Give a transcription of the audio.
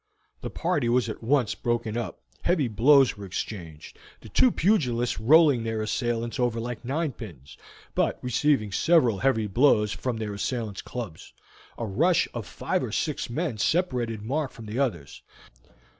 The party was at once broken up, heavy blows were exchanged, the two pugilists rolling their assailants over like ninepins, but receiving several heavy blows from their assailants' clubs. A rush of five or six men separated Mark from the others.